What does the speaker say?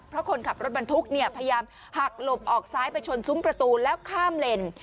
เพราะคนขับรถบรรทุกเนี่ยพยายามหักหลบออกซ้ายไปชนซุ้มประตูแล้วข้ามเลน